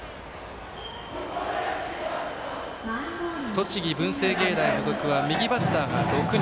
栃木、文星芸大付属は右バッターが６人。